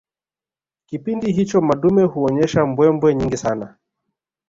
Kipindi hicho madume huonyesha mbwembwe nyingi sana